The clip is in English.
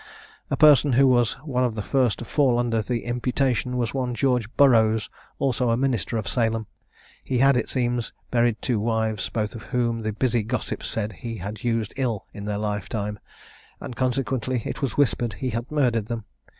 A person, who was one of the first to fall under the imputation, was one George Burroughs, also a minister of Salem. He had, it seems, buried two wives, both of whom the busy gossips said he had used ill in their life time, and, consequently, it was whispered he had murdered them.